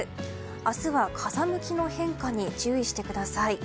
明日は風向きの変化に注意してください。